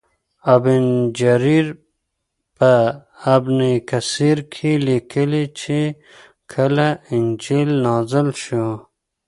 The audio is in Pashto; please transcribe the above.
ابن جریر په ابن کثیر کې لیکلي چې کله انجیل نازل شو.